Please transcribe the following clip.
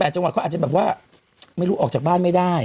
แต่จังหวัดเขาอาจจะแบบว่าไม่รู้ออกจากบ้านไม่ได้